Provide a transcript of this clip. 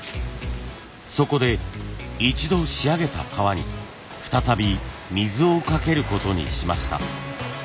そこで一度仕上げた革に再び水をかけることにしました。